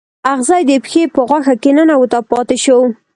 اغزی د پښې په غوښه کې ننوت او پاتې شو.